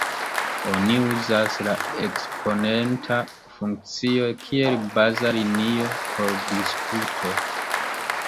Oni uzas la eksponenta funkcio kiel 'baza linio' por diskuto.